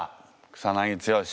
草剛。